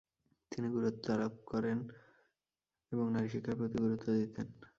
তিনি গুরুত্বারোপ করতেন এবং নারী শিক্ষার প্রতি গুরুত্ব দিতেন।